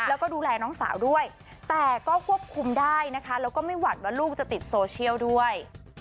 แล้วก็ดูแลน้องสาวด้วยแต่ก็ควบคุมได้นะคะแล้วก็ไม่หวั่นว่าลูกจะติดโซเชียลด้วย